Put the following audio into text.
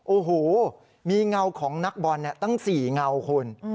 โอ้โหมีเงาของนักบอลตั้ง๔เงาคุณ